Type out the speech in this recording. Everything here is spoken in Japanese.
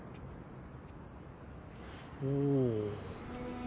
おお。